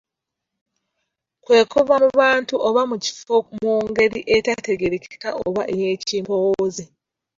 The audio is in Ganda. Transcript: Kwe kuva mu bantu oba mu kifo mu ngeri etategeerekeka oba ey’ekimpoowooze.